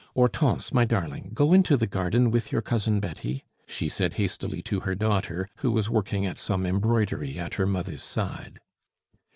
"Hortense, my darling, go into the garden with your Cousin Betty," she said hastily to her daughter, who was working at some embroidery at her mother's side.